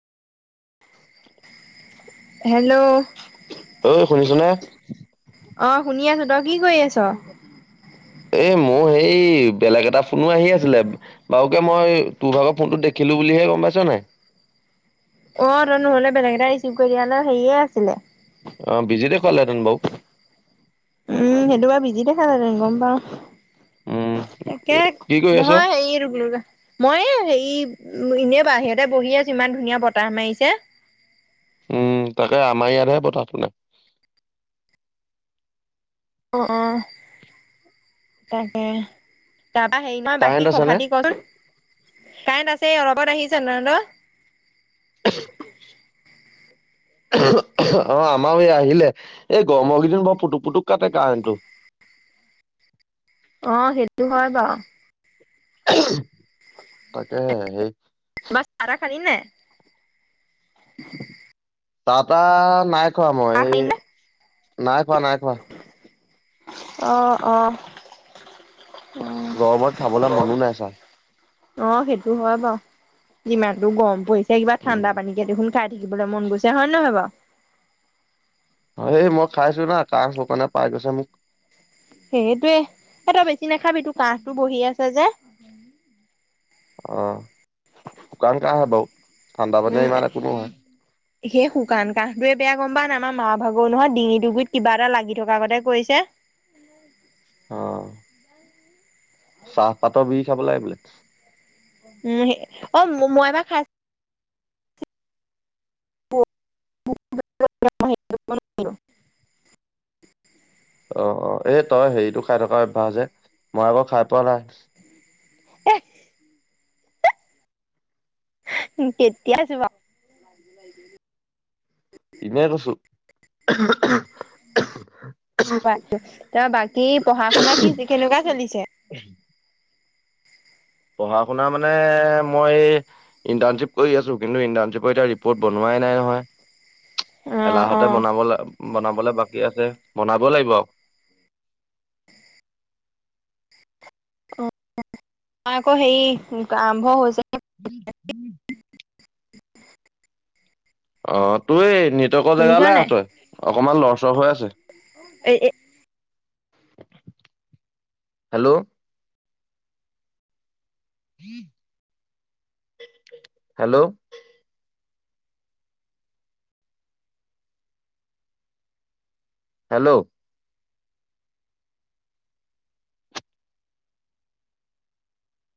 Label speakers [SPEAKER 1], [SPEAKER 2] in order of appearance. [SPEAKER 1] Hello
[SPEAKER 2] অ শুনিছ নে?
[SPEAKER 1] অ শুনি আছোঁ। তই কি কৰি আছ?
[SPEAKER 2] এ মোৰ সেই বেলেগ এটা ফোনো আহি আছিলে। বাৰুকে মই তোৰ ভাগৰ ফোনটো দেখিলো বুলিহে গম পাইছ নাই
[SPEAKER 1] অ ত নহলে বেলেগ এটা ৰিচিভ কৰি দিয়া সেয়ে আছিলে।
[SPEAKER 2] অ বিজিতে পালেহেঁতেন মোক
[SPEAKER 1] উম সেইটোৱে বিজি দেখা মানে গম পাওঁ।
[SPEAKER 2] উম,
[SPEAKER 1] তাকে
[SPEAKER 2] এ, কি কৰি আছ?
[SPEAKER 1] নহয় এই ৰা মই এ হেৰি এনেই বাহিৰতে বহি আছো ইমান ধুনীয়া বতাহ মাৰিছে।
[SPEAKER 2] উম তাকে আমাৰ ইয়াতহে বতাহটো নাই।
[SPEAKER 1] অ অ তাকে তাৰপা হেৰি নহয়
[SPEAKER 2] কাৰেণ্ট
[SPEAKER 1] বাকী
[SPEAKER 2] আছে
[SPEAKER 1] খবৰ
[SPEAKER 2] নে?
[SPEAKER 1] খাতি কচোন কাৰেন্ট আছে অলপত আহিছে নয়েন্দ
[SPEAKER 2] অ আমাৰ এই আহিলে এই গৰমৰকেইদিন বৰ পুটুক পুটুক কাটে কাৰেণ্টটো।
[SPEAKER 1] আহ সেইটো হয় বাও
[SPEAKER 2] তাকে সেই
[SPEAKER 1] তই চাহ তাহ [inaudible]
[SPEAKER 2] তাতা নাই খোৱা মই
[SPEAKER 1] চাহ
[SPEAKER 2] এই
[SPEAKER 1] খালি নে
[SPEAKER 2] নাই খোৱা নাই খোৱা।
[SPEAKER 1] অ অ
[SPEAKER 2] গৰমত খাবলৈ মনো নাই ছাৰ
[SPEAKER 1] অ সেইটো হয় বাৰু যিমানটো গৰম পৰিছে কিবা
[SPEAKER 2] উম,
[SPEAKER 1] ঠাণ্ডা পানীকে দেখোন খাই থাকিবলৈ মন গৈছে হয় নে নহয় বাৰু? [inaudible]
[SPEAKER 2] অ এই মই খাইছো না কাহ শুকানে পাই গৈছে মোক
[SPEAKER 1] সেইটোয়ে। এঁই বেছি নাখাবি তো কাহটো বহি আছে যে
[SPEAKER 2] অ শুকান কাহ বাও
[SPEAKER 1] উম সেই শুকান কাহটোয়ে বেয়া গম পা নাই আমাৰ মা ভাগৌ নহয় ডিঙি ডুগৰিত কিবা এটা লাগি থকা আগতে কৈছে।
[SPEAKER 2] আহ চাহপাতৰ বিহ খাব লাগে বোলে।
[SPEAKER 1] উম অ মই এবাৰ খাইছো [unintelligible]
[SPEAKER 2] অ অ এই তই হেৰিটো খাই থকা অভ্যাস যে মই আকৌ খাই পোৱা নাই।
[SPEAKER 1] এহ কেতিয়া যোৱা
[SPEAKER 2] এনেই কৈছো
[SPEAKER 1] ত বাকী পঢ়া শুনা কি কেনেকুৱা চলিছে?
[SPEAKER 2] পঢ়া শুনা মানে মই ইণ্টাৰ্ণশ্বিপ কৰি আছো। কিন্তু ইণ্টাৰ্ণশ্বিপৰ এতিয়া ৰিপৰ্ট বনোৱাই নাই নহয়।
[SPEAKER 1] অ অ
[SPEAKER 2] এলাহতে বনাব বনাবলে বাকী আছে বনাব লাগিব আৱ
[SPEAKER 1] আমাৰ আকৌ হে আৰম্ভ হৈছে
[SPEAKER 2] উম হম [unintelligible] অ তুই নেটৱৰ্কৰ
[SPEAKER 1] শুনিছ
[SPEAKER 2] জেগালে আহ তই অকনমান লৰচৰ হৈ আছে।
[SPEAKER 1] এই এ
[SPEAKER 2] হেল্লো' হেল্লো' হেল্লো'